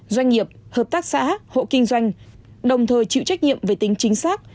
doanh nghiệp hợp tác xã hộ kinh doanh đồng thời chịu trách nhiệm về tính chính xác